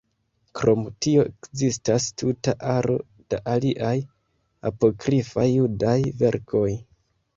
Krom tio ekzistas tuta aro da aliaj Apokrifaj Judaj verkoj.